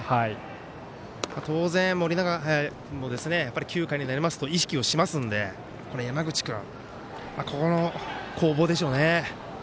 当然、盛永も９回になりますと意識をしますので、山口君ここの攻防でしょうね。